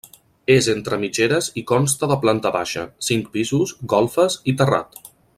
És entre mitgeres i consta de planta baixa, cinc pisos, golfes i terrat.